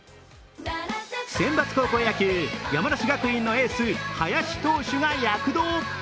センバツ高校野球、山梨学院のエース・林投手が躍動！